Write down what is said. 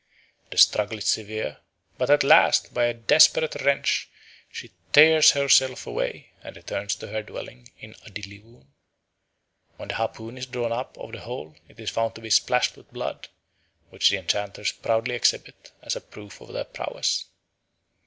The struggle is severe, but at last by a desperate wrench she tears herself away and returns to her dwelling in Adlivun. When the harpoon is drawn up out of the hole it is found to be splashed with blood, which the enchanters proudly exhibit as a proof of their prowess.